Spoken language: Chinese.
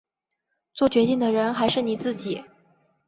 作决定的人还是你自己